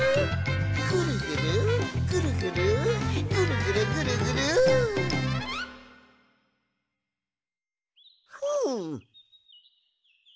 「ぐるぐるぐるぐるぐるぐるぐるぐる」ふん！